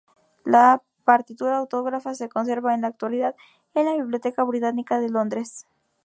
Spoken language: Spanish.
La partitura autógrafa se conserva en la actualidad en la Biblioteca Británica de Londres.